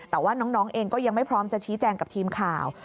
แต่ว่าน้องเองก็ยังไม่พร้อมจะชี้แจงกับทีมข่าว